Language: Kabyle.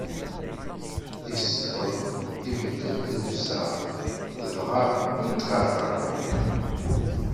Iseṭṭel, ibeddel llebsa, dɣa wwin-t ɣer Ferɛun.